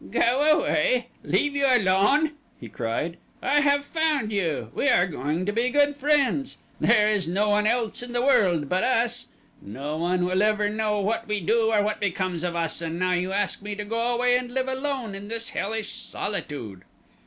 "Go away! Leave you alone!" he cried. "I have found you. We are going to be good friends. There is no one else in the world but us. No one will ever know what we do or what becomes of us and now you ask me to go away and live alone in this hellish solitude."